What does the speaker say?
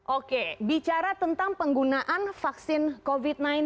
oke bicara tentang penggunaan vaksin covid sembilan belas